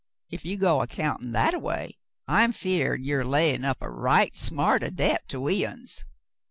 Ef ye go a countin' that a way, I'm 'feared ye're layin' up a right smart o' debt to we uns.